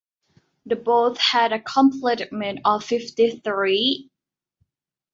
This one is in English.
The boat had a complement of fifty-three.